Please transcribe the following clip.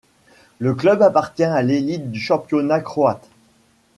Le club appartient à l'élite du championnat croate.